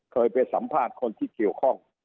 เคยไปสัมภาษณ์คนที่เกี่ยวข้อง